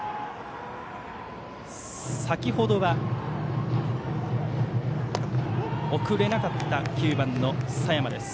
先程は、送れなかった９番の佐山です。